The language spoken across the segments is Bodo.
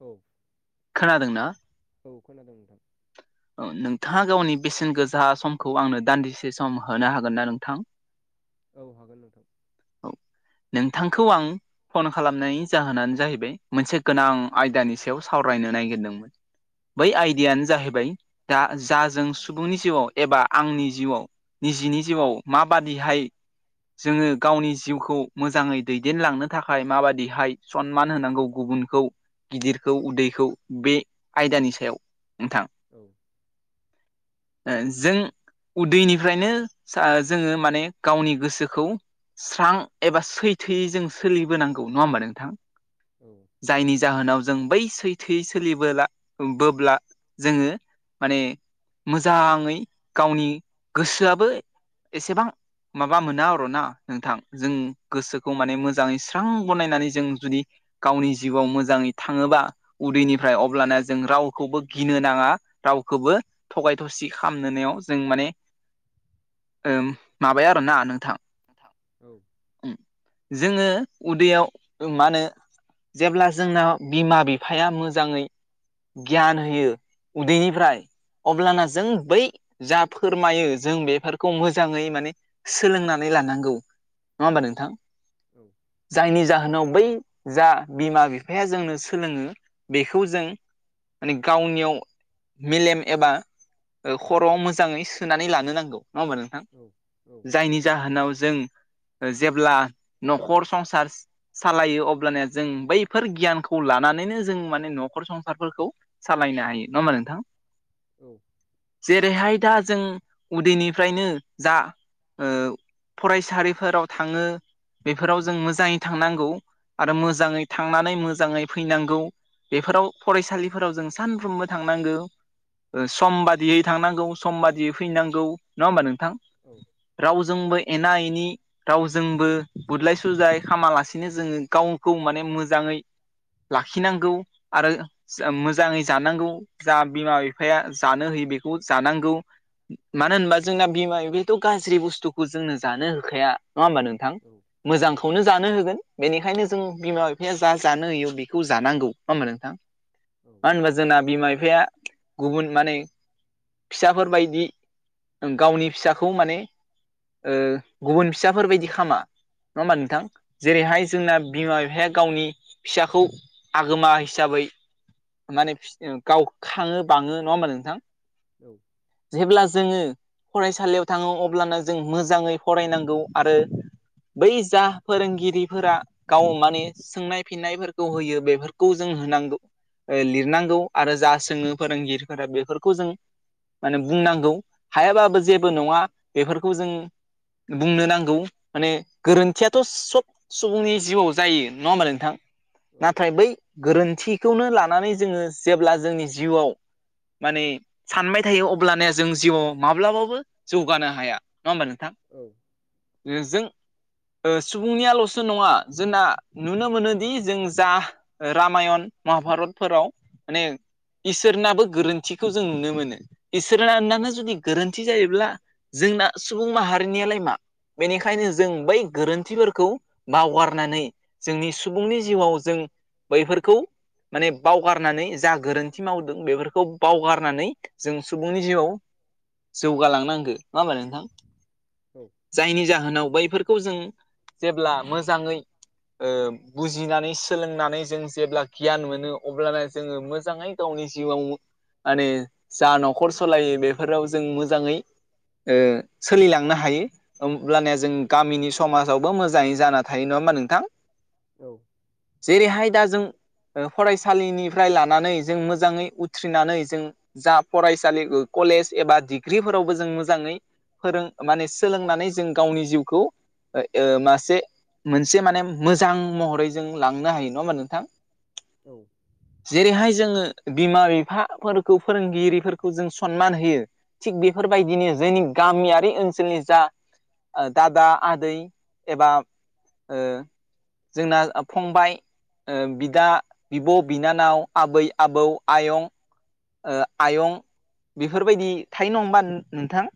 औ खोनादों ना? औ खोनादों नोंथां औ नोंथाङा गावनि बेसेन गोसा समखौ आंनो दान्दिसे सम होनो हागोन ना नोंथां औ हागोन नोंथां। औ नोंथांखौ आं फन खालामनायनि जाहोनानो जाहैबाय मोनसे गोनां आयदानि सायाव सावरायनो नागिरदोंमोन। औ बै आइडियानो जाहैबाय दा जा जों सुबुंनि जिउआव एबा आंनि जिउआव निजिनि जिउआव माबादिहाय जोङो गावनि जिउखौ मोजाङै दैदेनलांनो थाखाय माबादिहाय सनमान होनांगौ गुबुनखौ गिदिरखौ उदैखौ बे आयदानि सायाव नोंथां औ [inaudible] ओ जों उदैनिफ्रायनो सा जोङो माने गावनि गोसोखौ स्रां एबा सैथोयै जों सोलिबोनांगौ नङा होमबा नोंथां औ जायनि जाहोनाव जों बै सैथोयै सोलिबोला बोब्ला जोङो माने मोजाङै गावनि गोसोआबो एसेबां माबा मोना आर' ना नोंथां जों गोसोखौ माने मोजाङै स्रां बनायनानै जों जुदि गावनि जिउआव मोजाङै थाङोबा उदैनिफ्राय औ अब्लाना जों रावखौबो गिनो नाङा रावखौबो थगाय थसि खाम नोनायाव जों माने ओम माबाया आरोना नोंथां [unintelligible] औ उ जोंङो उदैयाव मा होनो जेब्ला जोंना बिमा बिफाया मोजाङै गियान होयो उदैनिफ्राय अब्लाना जों बै जा फोरमायो जों बेफोरखौ मोजाङै माने सोलोंनानै लानांगौ। नङा औ होमबा नोंथां औ जायनि जाहोनाव बै जा बिमा बिफाया जोंनो सोलोङो बेखौ जों माने गावनियाव मेलेम एबा ओ खर'आव मोजाङै सोनानै लानो नांगौ नङा होमबा नोंथां औ औ जायनि जाहोनाव जों जेब्ला नखर संसार सालायो अब्लानिया जों बैफोर गियानखौ लानानैनो जों माने न'खर संसारफोरखौ सालायनो हायो नंङा होमबा नोंथां औ जेरैहाय दा जों उदैनिफ्रायनो जा ओ फरायस सारिफोराव थाङो बेफोराव जों मोजाङै थांनांगौ आरो मोजाङै थांनानै मोजाङै फैनांगौ। बेफोराव फरायसालिफोराव जों सानफ्रोमबो थांनांगो सम बादियै थांनांगौ सम बादियै फैनांगौ नङा होमबा नोंथां रावजोंबो एना एनि रावजोंबो बुदलाय सुजलाय खामालासिनो जोङो गावखौ माने मोजाङै लाखिनांगौ आरो जा मोजाङै जानांगौ जा बिमा बिफाया जानो होयो बिखौ जानांगौ मानो होनबा जोंना बिमा बिफथ गाज्रि बुस्थुखौ जोंनो जानो हो होखाया नङा होमबा नोंथां औ मोजांखौनो जानो होगोन बेनिखायनो जों बिमा बिफाया जा जानो होयो बिखौ जानांगौ नङा होमबा नोंथां औ मानो होनबा जोंना बिमा बिफाया गुबुन माने फिसाफोरबायदि गावनि फिसाखौ माने ओ गुबुन फिसाफोरबायदि खामा नङा होमबा नोंथां जेरैहाय जोंना बिमा बिफाया गावनि फिसाखौ आगोमा हिसाबै माने फिस गाव खाङो बाङो नङा होमबा नोंथां औ जेब्ला जोंङो फरायसालियाव थांङो अब्लानो जों मोजांङै फरायनांगौ आरो बै जा फोरोंगिरिफोरा गाव माने सोंनाय फिन्नायफोरखौ होयो बेफोरखौ जों होनांगौ ओ लिरनांगौ आरो जा सोङो फोरोंगिरिफोरा बेफोरखौ जों माने बुंनांगौ हायाबाबो जेबो नङा बेफोरखौ जों बुंनो नांगौ माने गोरोन्थियाथ' सब सुबुंनि जिउआव जायो नंङा होमबा नोंथां? नाथाय बै गोरोन्थिखौनो लानानै जोंङो जेब्ला जोंनि जिउआव माने सानबाय थायो अब्लानिया जों जिउआव माब्लाबाबो जौगानो हाया नङा होमबा नोंथां औ ओ जों ओ सुबुंनियाल'सो नंङा जोंना नुनो मोनोदि जों जा रामायन महाभारतफोराव माने इसोरनाबो गोरोन्थिखौ जों नुनो मोनो इसोरानानो जुदि गोरोन्थि जायोब्ला जोंना सुबुं माहारिनियालाय मा बेनिखायनो जों बै गोरोन्थिफोरखौ बावगारनानै जोंनि सुबुंनि जिउआव जों बैफोरखौ माने बावगारनानै जा गोरोन्थि मावदों बेफोरखौ बावगारनानै जों सुबुंनि जिउआव जौगालांनांगो नङा ओमबा नोंथां औ जायनि जाहोनाव बैफोरखौ जों जेब्ला मोजाङै ओ बुजिनानै सोलोंनानै जों जेब्ला गियान मोनो अब्लानो जोङो मोजाङै गावनि जिउआव माने जा न'खर सलायो बेफोराव जों मोजांङै ओ सोलिलांनो हायो होमब्लानिया जों गामिनि समाजावबो मोजांङै जाना थायो नंङा होमबा नोंथां? औ जेरैहाय दा जों ओ फरायसालिनिफ्राय लानानै जों मोजाङै उथ्रिनानै जों जा फरायसालि ओ कलेज एबा डिग्रिफोरावबो जों मोजांङै फोरों माने सोलोंनानै जों गावनि जिउखौ ओ ए मासे मोनसे माने मोजां महरै जों लांनो हायो नङा होमबा नोंथां औ जेरैहाय जोङो बिमा बिफाफोरखौ फोरोंगिरिफोरखौ जों सनमान होयो? थिग बेफोरबायदिनो जोंनि गामियारि ओनसोलनि जा ओ दादा आदै एबा ओ जोंना ओ फंबाय ओ बिदा, बिब, बिनानाव, आबै आबौ, आयं ओ आयं बिफोरबायदि थायो नंङा होमबा नोंथां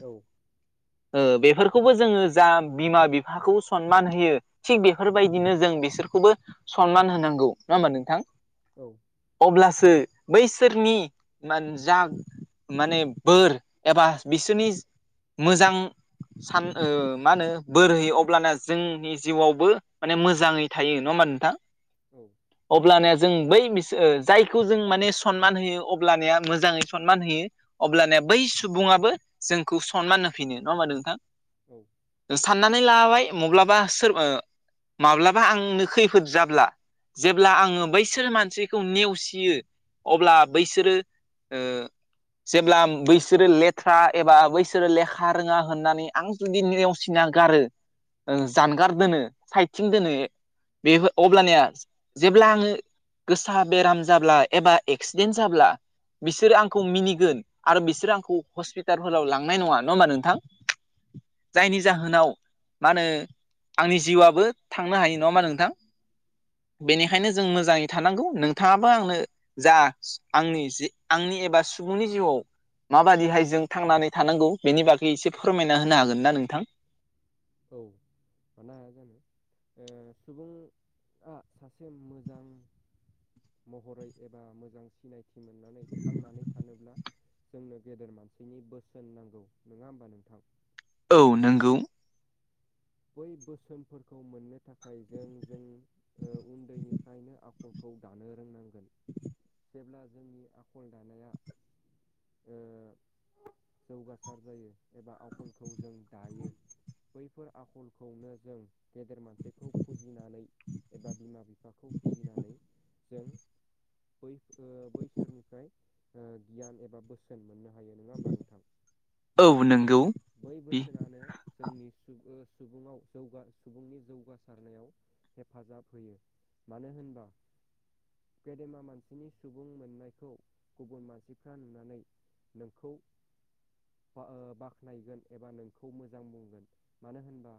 औ ओ बेफोरखौबो जोङो जा बिमा बिफाखौ सनमान होयो। थिग बेफोरबायदिनो जों बिसोरखौबो सनमान होनांगौ। नङा होमबा नोंथां? औ अब्लासो बैसोरनि मान जा माने बोर एबा बिसोरनि मोजां सान ओ मा होनो बोर होयो अब्लाना जोंनि जिउआवबो माने मोजाङै थायो नङा होमबा नोंथां औ अब्लानिया जों बै बिस ओ जायखौ जों माने सनमान होयो अब्लानया मोजाङै सनमान होयो अब्लानिया बै सुबुङाबो जोंखौ सनमान होफिनो। नङा होनबा नोंथां? औ साननानै लाबाय माब्लाबा सोर ओ माब्लाबा आंनो खैफोद जाब्ला जेब्ला आङो बैसोर मानसिखौ नेवसियो अब्ला बैसोरो ओ जेब्ला बैसोरो लेथ्रा एबा बैसोरो लेख खा रोङा होननानै आं जुदि नेवसिना गारो ओं जानगार दोनो साइथिं दोनो बे अब्लानिया जेब्ला आङो गोसा बेराम जाब्ला एबा एक्सिडेन्ट जाब्ला बिसोरो आंखौ मिनिगोन आरो बिसोरो आंखौ हस्पिटालफोरलाव लांनाय नङा। नङा होमबा नोंथां जायनि जाहोनाव मा होनो आंनि जिउआबो थांनो हायो नङा होमबा नोंथां बेनिखायनो जों मोजाङै थानांगौ नोंथाङाबो आंनो जा आंनि जि आंनि एबा सुबुंनि जिउआव माबादिहाय जों थांनानै थानांगौ बेनि बागै एसे फोरमायना होनो हागोन ना नोंथां औ मानो हाया जानो ओ सुबुंआ सासे मोजां महरै एबा मोजां सिनायथि मोननानै थांनानै थानोब्ला जोंनो गेदेर मानसिनि बोसोन नांगौ। नङा होमबा नोंथां? औ नोंगौ बै बोसोनफोरखौ मोननो थाखाय जों जों ओ उन्दैनिफ्रायनो आखलखौ दानो रोंनांगोन। जेब्ला जोंनि आखल दानाया ओ जौगासार जायो एबा आखलखौ जों दायो। बैफोर आखलखौनो जों गेदेर मानसिखौ फुजिनानै एबा बिमा बिफाखौ फुजिनानै जों बै ओ बैसोरनिफ्राय ओ गियान एबा बोसोन मोननो हायो। नङा होमबा नोंथां? औ नोंगौ बै बोसोनानो जोंनि सु ओ सुबुंआव जौग सुबुंनि जौगासारनायाव हेफाजाब होयो। मानो होनबा गेदेमा मानसिनि सुबुं मोननायखौ गुबुन मानसिफ्रा नुनानै नोंखौ फा ओ बाख ख्नायगोन एबा नोंखौ मोजां बुंगोन मानो होनबा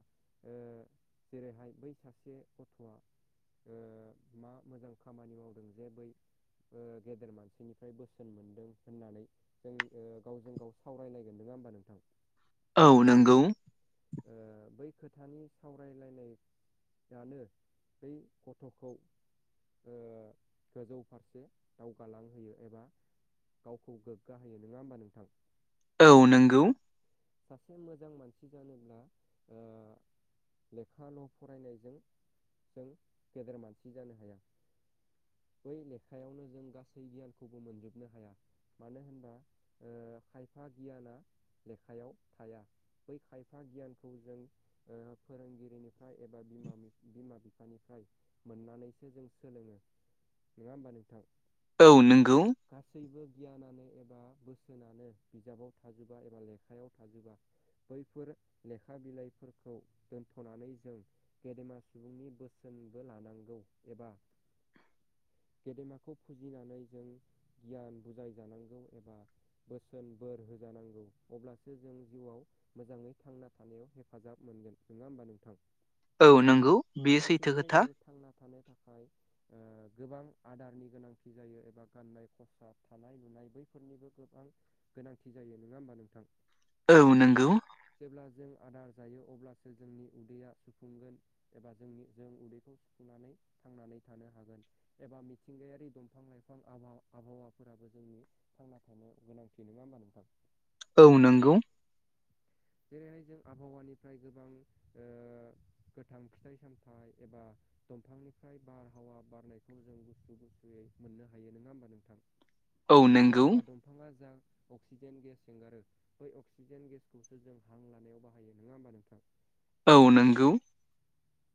ओ जेरैहाय बै सासे गथ'आ ओ मा मोजां खामानि मावदों जे बै ओ गेदेर मानसिनिफ्राय बोसोन मोनदों होननानै जों ओ गावजों गाव सावरायलायगोन। नङा होमबा नोंथां? औ नोंगौ ओ बै खोथानि सावरायलायनाय यानो बै गथ'खौ ओ गोजौ फारसे दावगालांहोयो एबा गावखौ गोग्गा होयो नङा होमबा नोंथां? औ नोंगौ। सासे मोजां मानसि जानोब्ला ओ लेखा ल' फरायनायजों जों गेदेर मानसि जानो हाया। बै लेखायावनो जों गासै गियानखौबो मोनजोबनो हाया। मानो होनबा ओ खायफा गियाना लेखायाव थाया। बै खायफा गियानखौ जों ओ फोरोंगिरिनिफ्राय एबा बिमा बिमा बिफानिफ्राय मोननानैसो जों सोलोङो। नङा होमबा नोंथां? औ नोंगौ। गासैबो गियानानो एबा बोसोनानो बिजाबाव थाजोबा एबा लेखायाव थाजोबा। बैफोर लेखा बिलाइफोरखौ दोनथ'नानै जों गेदेमा सुबुंनि बोसोनबो लानांगौ एबा गेदेमाखौ फुजिनानै जों गियान बुजायजानांगौ एबा बोसोन बोर होजानांगौ अब्लासो जों जिउआव मोजाङै थांना थानायाव हेफाजाब मोनगोन नङा होमबा नोंथां? औ नंगौ बेयो सैथो फारसेथिंजाय खोथा जों थांना थानो थाखाय ओ गोबां आदारनि गोनांथि जायो एबा गाननाय खसाब थानाय लुनाय बैफोरनिबो गोबां गोनांथि जायो नङा होमबा नोंथां? औ नोंगौ जेब्ला जों आदार जायो अब्लासो जोंनि उदैया सुफुंगोन। एबा जोंनि जों उदैखौ सुफुंनानै थांनानै थानो हागोन। एबा मिथिंगायारि दंफां लाइफां [unintelligible] आबहावाफोराबो जोंनि थांना थानो गोनांथि नङा होमबा नोंथां? औ नोंगौ जेरैहाय जों आबहावानिफ्राय गोबां ओ गोथां फिथाइ सामथाइ एबा दंफांनिफ्राय बारहावा बारनाय [unintelligible] मोननो हायो नङा होमबा नोंथां औ नंगौ एबा दं बिफाङा जा अक्सिजेन गेस एंगारो बै अक्सिजेन गेसखौसो जों हां लानायाव बाहायो नङा होमबा नोंथां? औ नोंगौ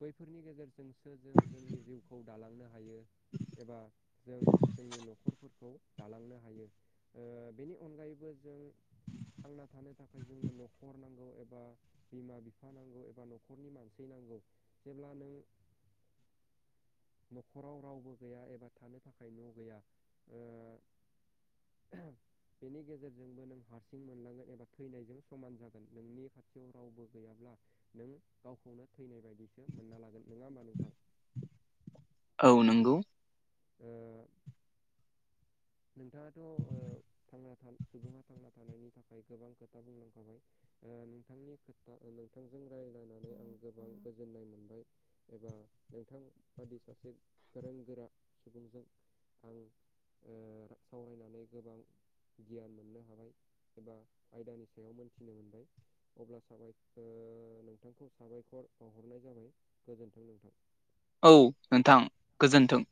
बैफोरनि गेजेरजोंसो जों जोंनि जिउखौ दालांनो हायो। एबा जों जोंनि न'खरफोरखौ दालांनो हायो। ओ बेनि अनगायैबो जों थांना थानो थाखाय जोंनो न'खर नांगौ एबा बिमा बिफा नांगौ एबा न'खरनि मानसि नांगौ जेब्ला नों न'खराव रावबो गैया एबा थानो थाखाय न' गैया ओ [unintelligible] बेनि गेजेरजोंबो नों हारसिं मोनलांगोन एबा थैनायजों समान जागोन नोंनि खाथियाव रावबो गैयाब्ला नों गावखौनो थैनाय बायदिसो मोनना लागोन नङा होमबा नोंथां? औ नंगौ ओ नोंथाङाथ' ओ थांना था सुबुङा थांना थानायनि थाखाय गोबां खोथा बुंलांखाबाय। ओ नोंथांनि खोथा नोंथांजों रायज्लायनानै आं गोबां गोजोननाय मोनबाय। एबा नोंथां बादि सासे गोरों गोरा सुबुंजों आं ओ सावरायनानै गोबां गियान मोननो हाबाय एबा आयदानि सायाव मोनथिनो मोनबाय। अब्ला साबाय ओ नोंथांखौ साबायखर बावहरनाय जाबाय गोजोन्थों नोंथां। औ नोंथां गोजोन्थों।